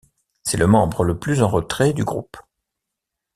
C’est le membre le plus en retrait du groupe.